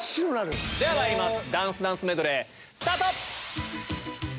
ではまいりますダンスダンスメドレー。